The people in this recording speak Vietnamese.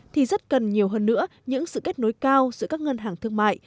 thì rất cần nhiều hơn nữa những sự kết nối cao giữa các ngân hàng thương mại